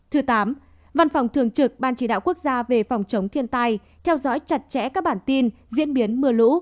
thứ tám văn phòng thường trực ban chỉ đạo quốc gia về phòng chống thiên tai theo dõi chặt chẽ các bản tin diễn biến mưa lũ